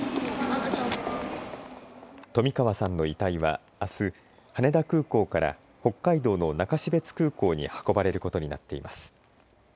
冨川さんの遺体はあす羽田空港から北海道の中標津空港に運ばれることになっています。